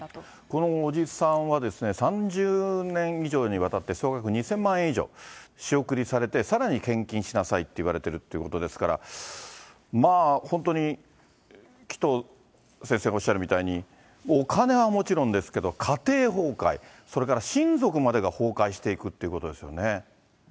この伯父さんは、３０年以上にわたって、総額２０００万円以上仕送りされて、さらに献金しなさいって言われてるってことですから、まあ本当に、紀藤先生がおっしゃるみたいに、お金はもちろんですけど、家庭崩壊、それから親族までが崩壊していくということですよね。